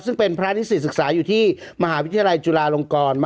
ซึ่งเป็นพระนิสิตศึกษาอยู่ที่มหาวิทยาลัยจุฬาลงกร